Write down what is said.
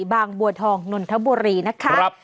บางบัวทองนนทบุรีนะคะ